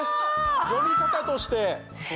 読み方として。